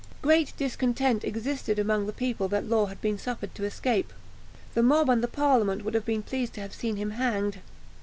Great discontent existed among the people that Law had been suffered to escape. The mob and the parliament would have been pleased to have seen him hanged.